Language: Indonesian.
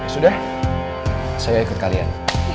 sudah saya ikut kalian